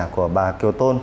của bà kiều tôn